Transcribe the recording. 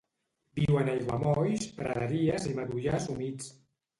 Viu en aiguamolls, praderies i matollars humits.